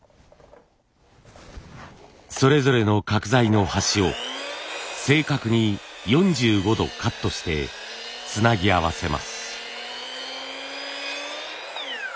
それぞれの角材の端を正確に４５度カットしてつなぎ合わせます。